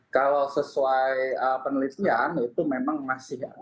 kalau sesuai penelitian itu memang masih dua as aman